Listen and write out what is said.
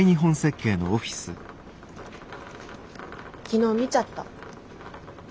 昨日見ちゃった。